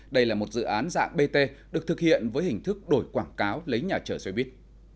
đây là một dự án dạng bt được thực hiện với hình thức đổi quảng cáo lấy nhà chở xe buýt